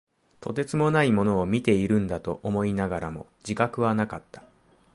とてつもないものを見ているんだと思いながらも、自覚はなかった。